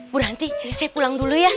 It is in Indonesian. bu ranti saya pulang dulu ya